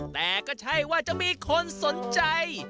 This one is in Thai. แต่ก็ใช่ว่าจะมีคนสนใจ